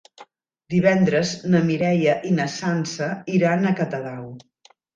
Divendres na Mireia i na Sança iran a Catadau.